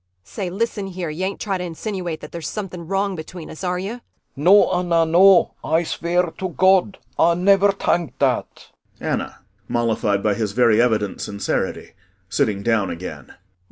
Say, listen here, you ain't trying to insinuate that there's something wrong between us, are you? CHRIS [Horrified.] No, Anna! No, Ay svear to God, Ay never tank dat! ANNA [Mollified by his very evident sincerity sitting down again.